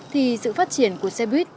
thì sự phát triển của xe buýt